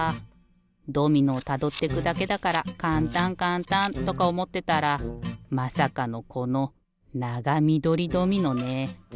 ドミノをたどってくだけだからかんたんかんたんとかおもってたらまさかのこのながみどりドミノね。